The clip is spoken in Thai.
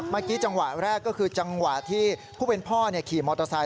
เมื่อกี้จังหวะแรกก็คือจังหวะที่ผู้เป็นพ่อขี่มอเตอร์ไซค